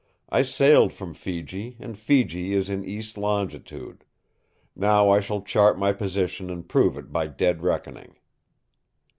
I sailed from Fiji, and Fiji is in east longitude. Now I shall chart my position and prove it by dead reckoning."